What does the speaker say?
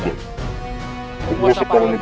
aku ratu teluk